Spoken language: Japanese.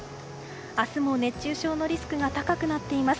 明日も熱中症のリスクが高くなっています。